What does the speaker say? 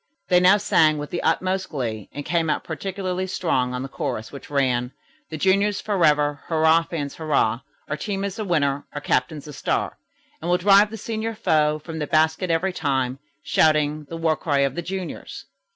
They now sang with the utmost glee, and came out particularly strong on the chorus, which ran: "The juniors forever, hurrah, fans, hurrah! Our team is a winner, our captain's a star. And we'll drive the senior foe, from the basket every time. Shouting the war cry of the juniors."